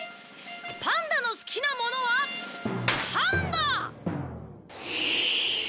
「パンダの好きなものはパンだ」！